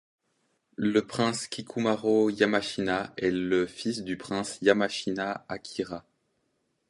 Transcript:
Le prince Kikumaro Yamashina est le fils du prince Yamashina Akira.